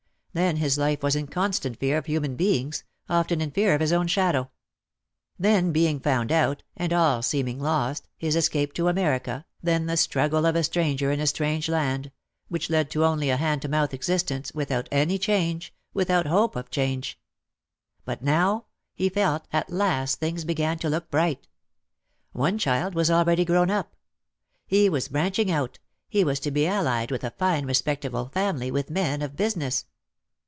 Then his life was in constant fear of human beings, often in fear of his own shadow. Then being found out, and all seeming lost, his escape to America, then the struggle of a stranger in a strange land, which led to only a hand to mouth existence, without any change, without hope of change. But now, he felt, at last things began to look bright. One child was already grown up. He was branching out, he was to be allied with a fine respectable family, with men of business.